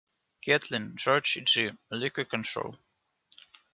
Catlin, George E. G. "Liquor Control".